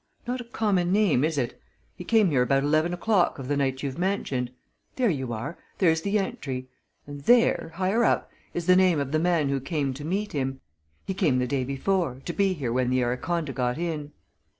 "Not a common name, is it? He came here about eleven o'clock of the night you've mentioned there you are! there's the entry. And there higher up is the name of the man who came to meet him. He came the day before to be here when the Araconda got in."